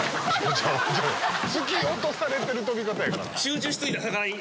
突き落とされてる飛び方やから。